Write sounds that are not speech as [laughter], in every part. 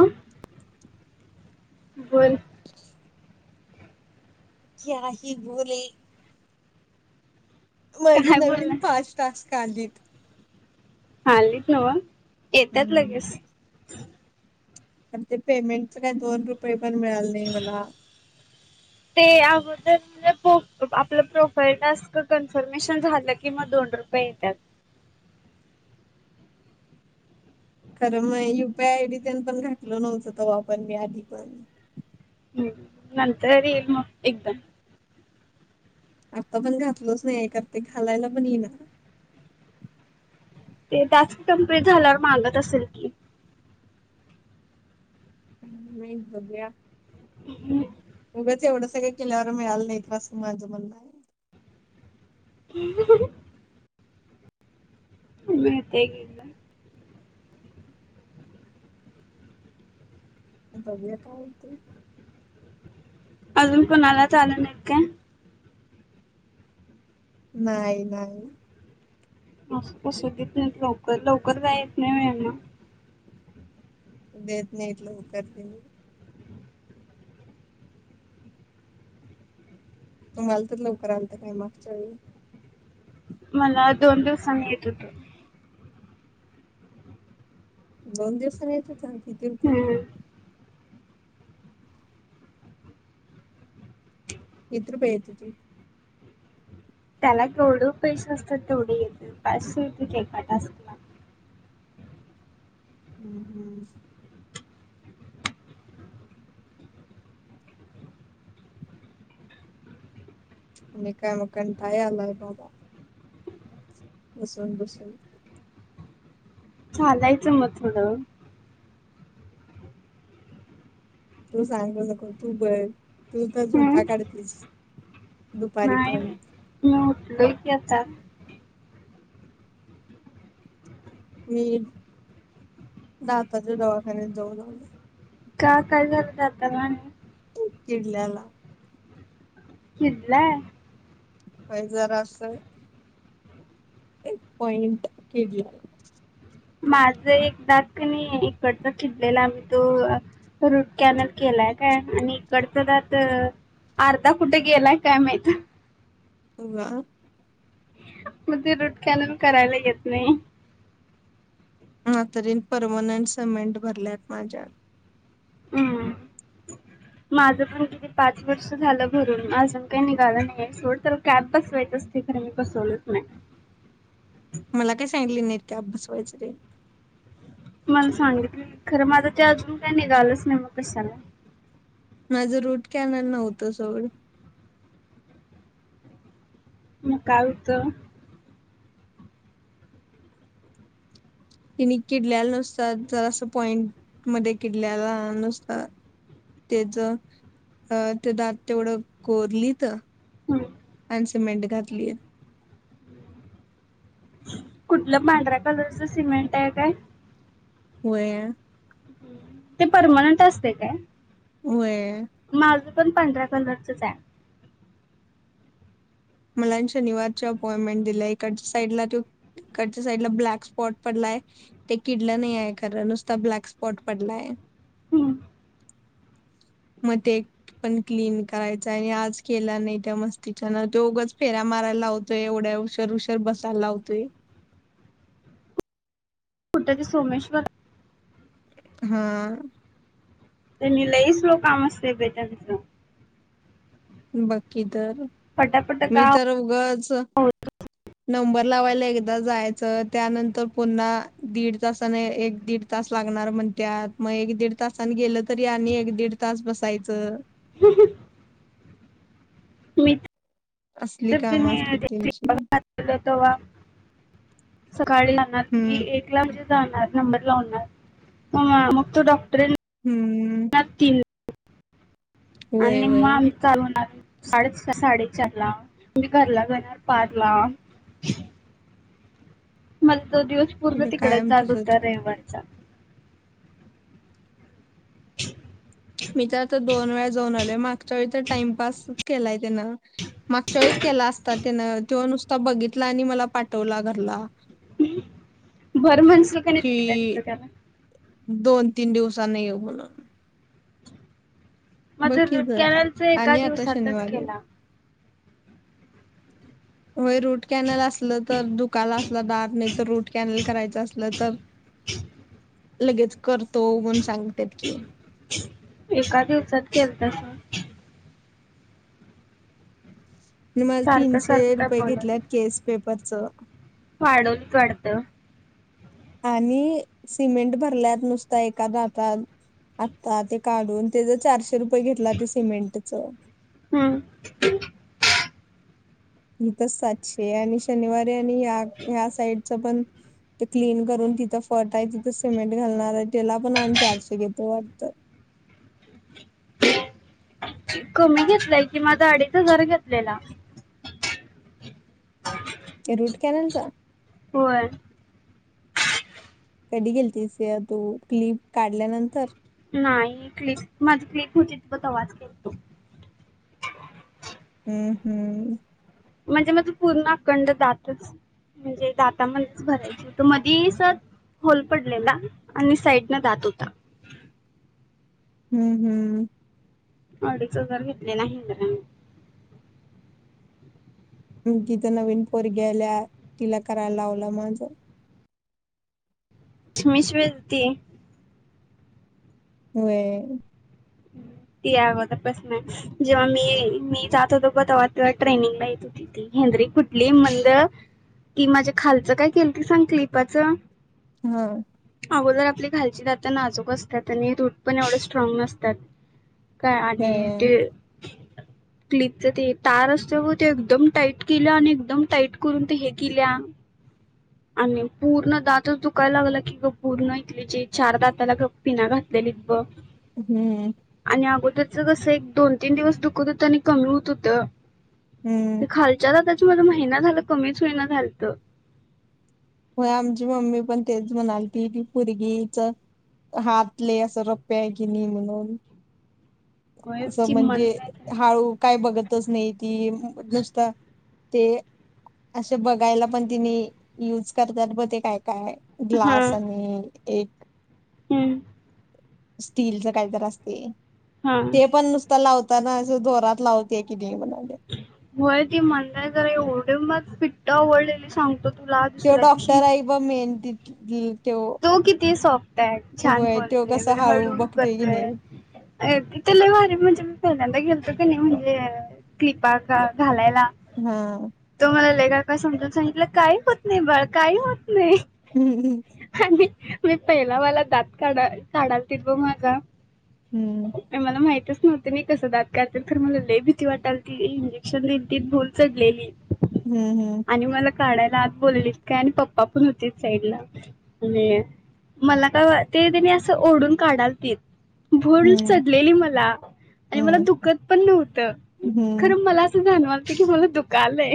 Hello बोल क्या ही बोले माझ काय नवीन बोलणार पाच टास्क आलीत आलीत नव येतात लगेच. [inaudible] आणि ते पेमेंटच काही दोन रुपये पण मिळाल नाही मला. ते अगोदरण प्रो आपलं प्रोफाईल टास्क कन्फर्मेशन झालं की मग दोन रुपये येतात. खरं मग युपीआय आयडी त्यान पण घातलं नव्हतं तवा पण मी आधी पण. हम्म नंतर येईल मग एकदम. आता पण घातलचं नाही काय ती घालायला पण ईना. ते टास्क कंप्लीट झाल्यावर मागत असेल की? हम्म बघुया. [inaudible] उगंच एवढं सगळ केल्यावर मिळालं नाही तर असं माझं मन्न. [inaudible] [inaudible] बघुया काय होतय. अजून कोणाला चालूू नाहीत का? नाही नाही. अस कस देत नाहीत लवकर लवकर [unintelligible] ना देत नाहीत लवकर ते लोक. तुमाला तर लवकर आलत काय मागच्या वेळी? मला दोन दिवसांनी येत होतं. दोन दिवसांनी येत होत? सांग किती रुपये? हम्म. किती रूपये येत होते? त्याला जेवढं पैसे असतात तेवढे येत पाचशे येत होते एका टास्कला. हम्म हम्म. आणि काय मग कंटाळा आलाय बाबा. बसून बसुन. चालायचं मग थोडं. तू सांगू नको तू बघ तू तर हम्म. झोपा काढतीस. दुपारी नाही पण मी उठलोय की आता. मी दाताच्या दवाखान्यात जाऊन आलो. का काय झालं दाताला आणी? किडल्याला. किडलाय? व्हय जरासं एक पॉइंट किडल्याला. माझं एक दात कि नाई इकडचा किडलेला आ मी तो रूट कॅनल केलाय काय आणि इकडचा दात अर्धा कुठे गेलाय काय माहित. वा. म ते रूट कॅनल करायला येत नई. हा तरीन परमनंट सिमेंट भरल्यात माझ्यात उ माझ पण किती पाच वर्ष झालं भरून, अजून काय निघालं नई आय सोड, तर कॅब बसवायच असते खर मी बसवलच नाय. मला काय सांगितली नईत. कॅप बसवायच तेन मल सांगितलय खरं माझं ते अजून काय निघालंच नई मग कशाला माझं रूट कॅनल नव्हतं सोड मग काय हुत? तिनी किडल्याल नुसार जरास पॉइंट मध्ये किडल्याला नुसता, त्येज अ ते दात तेवढं कोरलीत हम्म्. आणि सिमेंट घातलीत. कुठल्या पांढऱ्या कलरचं सिमेंट आय काय? व्हय. [unintelligible] ते परमनंट असते काय? वय. माज पण पांढऱ्या कलरचच आय. मला आणि शनिवारची अपॉयमेंट दिल्या इकड साईडला त्यो, इकडच्या साईडला ब्लॅक स्पॉट पडलाय ते किडलं नई आय, खरं नुसता ब्लॅक स्पॉट पडलाय. हम्म. म ते एकपण क्लीन करायचाय आणि आज केला नई त्या मस्तीच्यान, त्यो उगच फेऱ्या माराय लावतोय, एवढ्या उशर उशर बसाय लावतोय. कुठ ते सोमेश्वर हा. त्यांनी लई स्लो काम असतय बई त्यांच बाकीत तर पटापट मी का तर उगच, होत नंबर लावायला एक दा जायाचं त्यानंतर पुन्हा दीड तासाने, एक दीड तास लागणार म्हणत्यात, मग एक दीड तासान गेलतरी आणि एक दीड तास बसायचं. [unintelligible] असली काम असतात कणी त्यांची [unintelligible] तवा काळी लागणार किती हम्म एक ला जे जाणार, नंबर लावणार, [unintelligible] मग तो डॉक ट्रेन हम्म न तिन व्हय आणि म व्हय आम्ही चालवणा [unintelligible] साडेच सा साडेचारला, मी घरला जाणार पारला मल तो दिवसपूर्ण म्हणजे तिकडच कायम जात तसच होता करतात रविवारचा ह [unintelligible] मी त्यात दोनवेळा जाऊन आले माक च्याइत टाईमपासच केलाय तेन मागच्या वेळेस केला असता तेनं त्यो नुस त बघितला आणि मला पाठवला घरला बरं म्हणसी की नाय तिथलं देते त्याला. दोन-तीन दिवसांनी येऊ म्हणलं. माझं जर रुटकॅनेलचा एका आणि आता दिवसातच शनिवारी केला. व्हय रुटकॅनेल असलं तर दुखाला असला दात नाहीतर रुटकॅनेल करायचं असलं तरं लगेच करतो म्हणून सांग. एका दिवसात केलं तसं [inaudible] आणि मला सारखं तीनशे सारखं रुपये घेतलयात केस पेपर च फाडून काढतं. आणि सिमेंट भरल्यात नुसता, एका दातात आत्ता ते काढून त्याचा चारशे रुपये घेतला ते सिमेंटच. हम्म. तिथंच सातशे आणि शनिवारी आणि ह्या साईडचा पण ते क्लीन करून तिथं फट आहे, तिथं सिमेंट घालणार आहे, त्याला पण आणि चारशे घेतो वाटतं. कमी घेतलाय की माझा अडीच हजार घेतलेला. रूट कॅनलचा. होय. कधी गेलीतीसय तू क्लिप काढल्यानंतर? नाही क्लिप माझी क्लिप होती बत आवाज घेत. हम्म हम्म. म्हणजे माझी पूर्ण अखंड दातचं म्हणजे दातामध्येच भरायचा होतं, मधीस होल पडलेला आणि साईडन दात होता. हम्म हम्म. अडीच हजार घेतले नाही म तिथं नवीन पोरगी आल्या तिला करायला लावलं माझं. [unintelligible] वेलतीय होय. ती अगोदरपासनचं जेव्हा मी मी जात होतो तेव्हा ट्रेनिंगला येत होती, ती हेनरी कुठली म्हणलं की माझ्या खालचं काय केलती सांग क्लिपाच. होय. अगोदर आपली खालची दातं नाजूक असतात आणि रूट पण एवढं स्ट्रॉंग नसतात. टट काय आणि व्हय ते क्लिपच ते तार असतोय ब ते एकदम टाईट केल्या आणि एकदम टाईट करून ते हे केल्या आणि पूर्ण दातचं दुखायला लागलं की ग पूर्ण इथले जे चार दाताला ग पिना घातलेलीत ब हम्म. आणि अगोदरचा कसं आहे एक, दोन, तीन दिवस दुखत होतं आणि कंगरुत होतं. हम्म ते खालच्या दातात माझं महिना झाला कमीच होईना घालतं. होय, आमची मम्मी पण तेच म्हणाल ती की पोरगीचा हात लई असं रफ आहे की नी म्हणून होय असं ती म्हणजे मंद हाळु काय बघत तसमयीत ती नुसता ते असे बघायला पण तिनी युज करतात ब ते काय? काय ग्लास आणि एक ह्म्म.. स्टीलच काहीतरी असतय. हा ते पण नुसत लावत तानाज दोरात लावते की देवी म्हण. होय ती म्हंदाय जरा [unintelligible] मस पिट्टवडलेली सांगतो. तुला ते दुसऱ्या दिवशी डॉक्टर आय बा मेन. गी तो किती सोप्ट हाय छान होय तो बोलतोय, कसा हळू बघतोय की करतोय नाही अय तिथ लयभारी म्हणजे मी पहिल्यांदा गेलो. ते कणी म्हणजे क्लिपा घालाय हा तुमला ले काय समजून सांगितलं काही होत नाही बाळ काही होत नाही. हम्म हम्म आणि मी पहिलावाला दात काढा-काढातील ब माजा. हम्म मला माहिती हते नाही कसं दात काढ तर मला लले भीती वाटाल ती इंजेक्शन दिली ती भूल चढलेली. हम्म हम्म. आणि मला काढायला आत बोलवलीत काय आणि पप्पा पण होते साईडला आणि मला का वा ते त्यांनी असं ओढून काढालतीत. भूल हम्म चढलेली मला आणि मला हम्म दुखत पण नव्हतं हम्म खरं मला असं जाण हित मला दुकालय.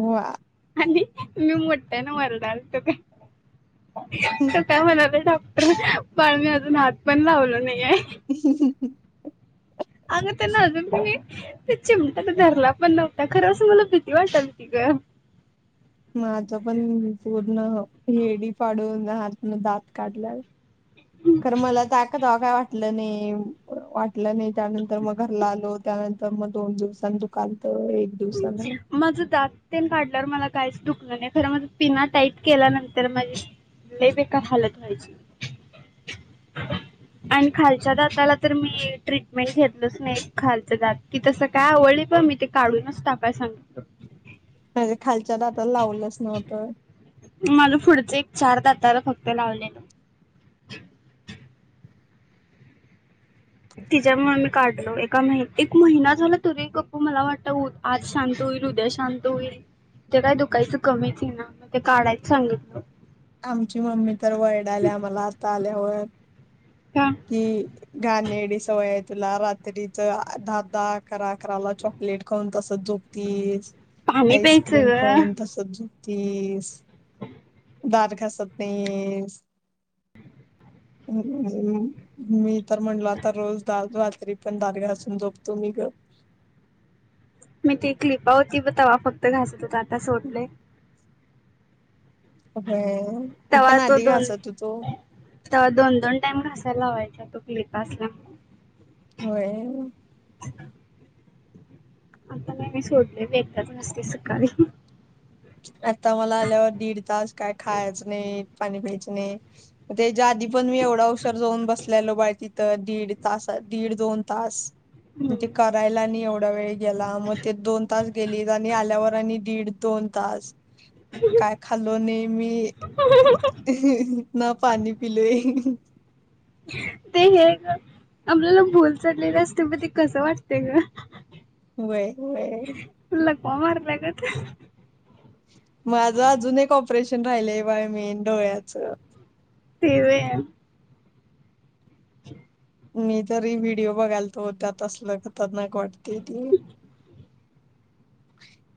वा. आणि मी मोठ्यानं वरडालतो काय. त काय म्हणालय. पण मी अजून हात पण लावलो नाही. हम्म हम् [inaudible] अग त्यां ना अजून कणी ते चिमट्यात धरला पण नव्हता खरं असं मला भीती वाटलती ग. माझं पण पूर्ण हिरडी फाडून आतनं दात काढलाय. खरं मला [unintelligible] लं नाही वाटलं नाही त्यानंतर मग घरला आलो त्यानंतर मग दोन दिवसां दुकाल. माझं दात तेन काढल्यावर मला काहीच दुखलं नाही खर मग पिना टाईट केल्यानंतर माझी लई बेकार हालत व्हायची आणि खालच्या दाताला तर मी ट्रीटमेंट घेतलच नाही खालच दात की तस काय आवळलीत प मी ते काढून टाकाय सांगितलो. म्हणजे खालच्या दातला लावलंच नव्हतं. माला पुढच एक चार दाताला फक्त लावलेल. हम्म तिच्यामुळे मी काढलो एका महि एक महिना झाला. तरी गप्प मला वाटत उ आज शांत होईल उद्या शांत होईल ते काय दुखायचं कमीच ये ना मग ते काढायच सांगितलं. आमची मम्मी तर वरडाल्या आम्हाला आता आल्यावर. का की गाणे. की सवय तुला रात्रीच धा धा अकरा अकरा चॉकलेट खाऊन तस झोपतीस पाणी प्यायचं आईस्क्रीम ग खाऊन तस झोप तीस. दात घासत नाहीस, मी तर म्हणला आता रोज दात घास. मी पण दात घासून झोपतो. मी ग. मी ती क्लिप वटी तवा फक्त घासत होता. आता सोडलयं. होय मी पण तवा तो आधी दोन घासत होतो. टाईम घासायला लावायचा तो [unintelligible] पा सला व्हय. [inaudible] आता नाही मी सोडले बाई एकदाच घासते, सकाळी. आता मला आल्यावर दीड तास काय खायाचं नाही. पाणी प्यायचं नाही म ते त्या आधी पण मी एवडा उशीर जाऊन बसलेलो, बाय ती तर दीड तास. आ दीड दोन तास. हम्म ते करायला आणि एवढं दवेळी गेला, मग ते दोन तास गेली. आणि आल्यावर आणि दीड दोन तास काय खाल्लो नाही मी ना पाणी पिले हं. ते हे ग आपल्याला भुल चढलेल असते, मग ते कसं वाटतय गं व्हय व्हय पार लागत. माझं अजून एक ऑपरेशन राहिलंय, बाय मेन डोळ्याचं ते व्हय [inaudible] मी तरी व्हिडिओ बघायल तो त्यात असल खतरनाक वाटतयं ती..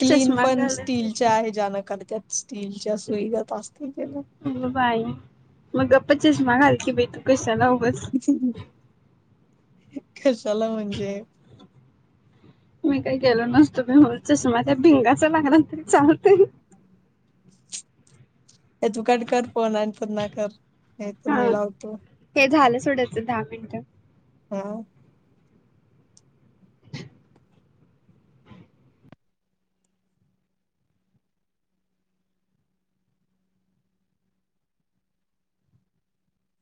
क्लीन चष्मा पण घालायचा स्टीलच्या की ह्याच्यान काढतव स्टीलच्या सुईगत असती त्यान अग बाई मग गप्प चष्मा घाल की बाई तू कशाला बस कशाला म्हणजे मी काही गेलो नसतो मी मुचस माझ्या भिंगाच लागणार तरी चालते या तू काडे कर फोन आणि पण ना कर हे तर हा मेला होतो. हे झालं सोडायचं दहा मिनिटं हम